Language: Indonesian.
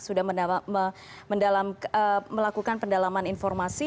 sudah melakukan pendalaman informasi